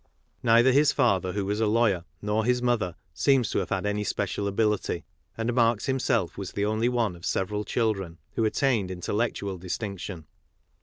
Neither his father, whowas a lawyer, nor his mother seems to have had any special ability ; and Marx himself was the only one of several children who attained intellectual distinction.